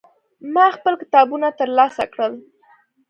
ما خپل کتابونه ترلاسه کړل.